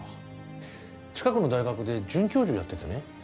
近くの大学で准教授やっててね。